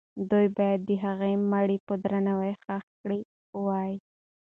دوی باید د هغې مړی په درناوي ښخ کړی وای.